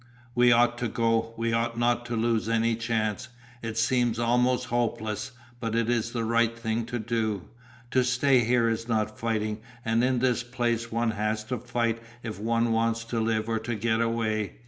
"We ought to go, we ought not to lose any chance. It seems almost hopeless, but it is the right thing to do. To stay here is not fighting, and in this place one has to fight if one wants to live or to get away.